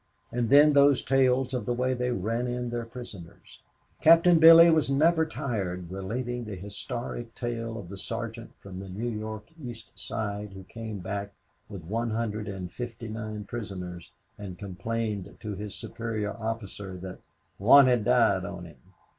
And then those tales of the way they ran in their prisoners. Captain Billy was never tired relating the historic tale of the sergeant from the New York East Side who came back with 159 prisoners and complained to his superior officer that "one had died on him."